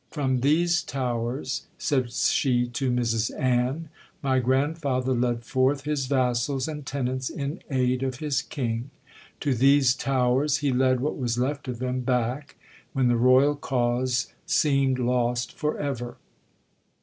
—'From these towers,' said she to Mrs Ann, 'my grandfather led forth his vassals and tenants in aid of his king,—to these towers he led what was left of them back, when the royal cause seemed lost for ever.